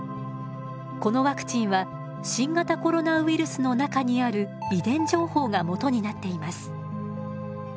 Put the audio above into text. このワクチンは新型コロナウイルスの中にある遺伝情報がもとになっています。